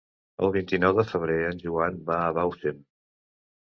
El vint-i-nou de febrer en Joan va a Bausen.